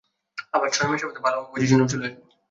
আবার, ছয় মাসের মধ্যে ভালো পজিশনেও চলে যাব।